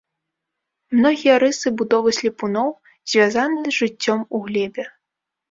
Многія рысы будовы слепуноў звязаны з жыццём у глебе.